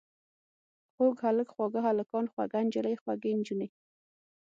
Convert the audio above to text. خوږ هلک، خواږه هلکان، خوږه نجلۍ، خوږې نجونې.